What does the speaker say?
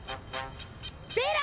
ベラ。